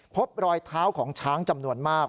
พบรอยเท้าของช้างจำนวนมาก